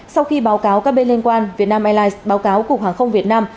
sau khi báo cáo các bên liên quan vietnam airlines báo cáo cục hàng không việt nam